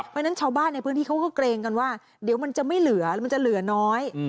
เพราะฉะนั้นชาวบ้านในพื้นที่เขาก็เกรงกันว่าเดี๋ยวมันจะไม่เหลือมันจะเหลือน้อย